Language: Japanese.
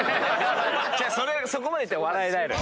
そこまでいったら笑えないのよ。